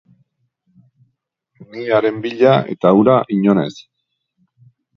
Ni haren bila eta hura inon ez